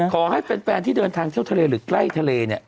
ขอให้แฟนที่เดินทางเที่ยวทะเลหรือใกล้ทะเลเนี่ย